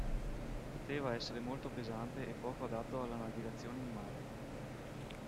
Poteva essere molto pesante e poco adatto alla navigazione in mare.